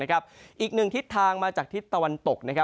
อีกหนึ่งทิศทางมาจากทิศตะวันตก